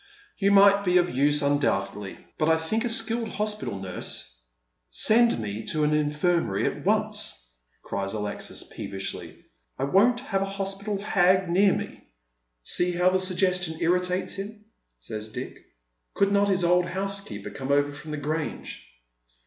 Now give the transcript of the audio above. " You might be of use undoubtedly, but I think a skilled hos pital nurse "" Send me to an infirmary at once," cries Alexis, peevishly. " I won't have a hospital hag near me." " See how the suggestion irritates him," says Dick. Could not his old housekeeper come over from the Grange